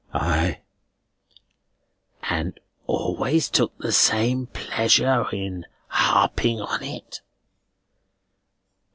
"Ay." "And always took the same pleasure in harping on it?"